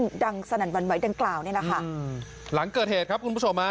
จังสนันวันไว้ดังกล่าวเนี่ยนะคะหืมหลังเกิดเหตุครับคุณผู้ชมอ่ะ